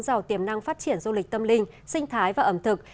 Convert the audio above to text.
giàu tiềm năng phát triển du lịch tâm linh sinh thái và ẩm thực